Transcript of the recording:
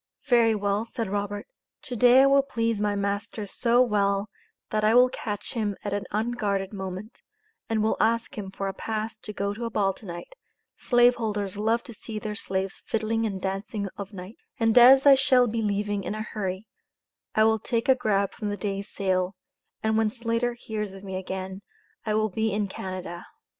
"Very well," said Robert, "to day I will please my master so well, that I will catch him at an unguarded moment, and will ask him for a pass to go to a ball to night (slave holders love to see their slaves fiddling and dancing of nights), and as I shall be leaving in a hurry, I will take a grab from the day's sale, and when Slater hears of me again, I will be in Canada."